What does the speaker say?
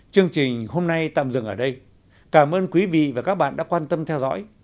chương trình hôm nay tạm dừng ở đây cảm ơn quý vị và các bạn đã quan tâm theo dõi